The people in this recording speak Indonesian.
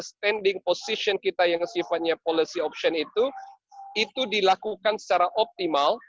standing position kita yang sifatnya policy option itu itu dilakukan secara optimal